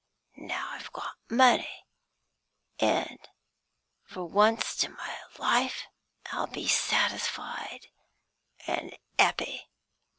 Now I've got money, an' for wunst in my life I'll be satisfied an' 'appy.